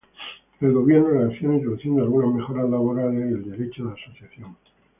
El gobierno reacciona introduciendo algunas mejoras laborales y el derecho de asociación.